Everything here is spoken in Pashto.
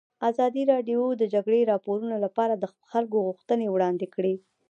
ازادي راډیو د د جګړې راپورونه لپاره د خلکو غوښتنې وړاندې کړي.